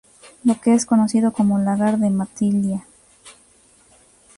Lo que es conocido como Lagar de Matilla.